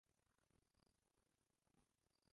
ariko kuri uyumunsi byose byarashize none simbyumva cyane